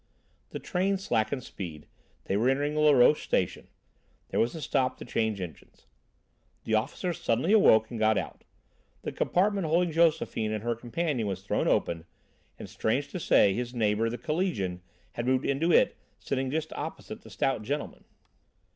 The train slackened speed; they were entering Laroche Station; there was a stop to change engines. The officer suddenly awoke and got out. The compartment holding Josephine and her companion was thrown open, and, strange to say, his neighbour, the collegian, had moved into it, sitting just opposite the stout gentleman.